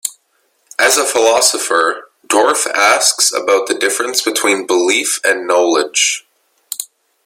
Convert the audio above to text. As a philosopher, Dorff asks about the difference between belief and knowledge.